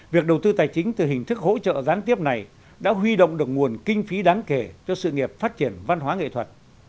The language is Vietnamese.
việc đầu tư tài chính từ hình thức hỗ trợ gián tiếp này đã huy động được nguồn kinh phí đáng kể cho sự nghiệp phát triển văn hóa nghệ thuật